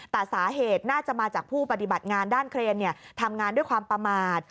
แต่สาเหตุน่าจะมาจากผู้ปฏิบัติงานด้านเครนทำงานด้วยความประมาท